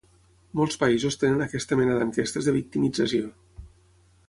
Molts països tenen aquesta mena d'enquestes de victimització.